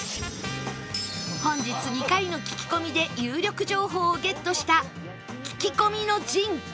本日２回の聞き込みで有力情報をゲットした聞き込みの神